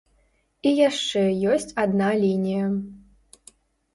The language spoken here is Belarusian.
І яшчэ ёсць адна лінія.